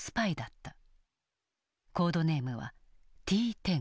コードネームはＴ−１０。